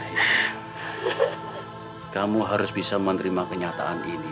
ya kamu harus bisa menerima kenyataan ini